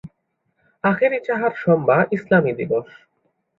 আখেরী চাহার শম্বা ইসলামী দিবস।